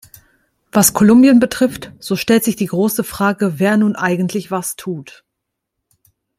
Was Kolumbien betrifft, so stellt sich die große Frage, wer nun eigentlich was tut.